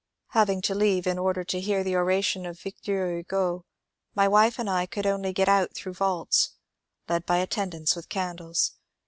Having to leave in order to hear the oration of Victor Hugo, my wife and I could only get out through vaults, led by attendants with candles.